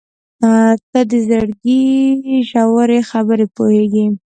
• ته د زړګي ژورې خبرې پوهېږې.